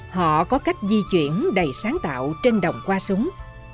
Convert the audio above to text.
họ có cách di chuyển đầy sáng tạo trên đồng qua súng